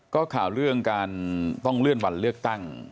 ก็ข่าวเรื่องการต้องเลื่อนวันเลือกตั้ง